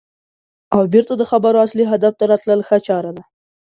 او بېرته د خبرو اصلي هدف ته راتلل ښه چاره ده.